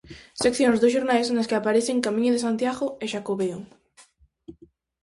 Seccións dos xornais nas que aparecen "Camiño de Santiago" e "Xacobeo".